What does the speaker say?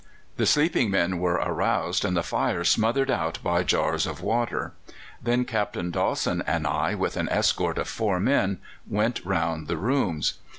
"The sleeping men were aroused, and the fire smothered out by jars of water. Then Captain Dawson and I, with an escort of four men, went round the rooms.